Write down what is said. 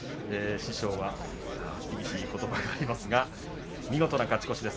師匠は厳しいことばがありますが見事な勝ち越しです。